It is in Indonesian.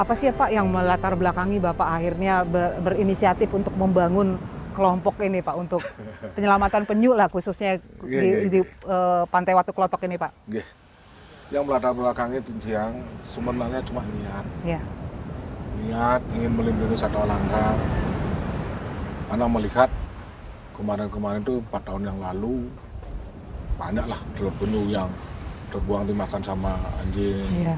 anak melihat kemarin kemarin itu empat tahun yang lalu banyaklah telur penyu yang terbuang dimakan sama anjing